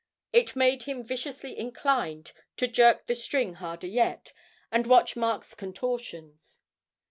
It made him viciously inclined to jerk the string harder yet, and watch Mark's contortions.